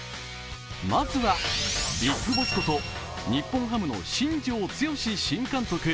まずはビッグボスこと、日本ハムの新庄剛志新監督。